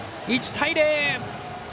１対０。